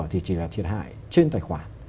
thì chỉ là thiệt hại trên tài khoản